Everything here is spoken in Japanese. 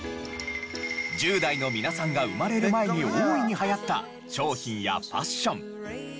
１０代の皆さんが生まれる前に大いに流行った商品やファッション。